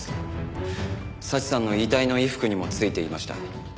早智さんの遺体の衣服にもついていました。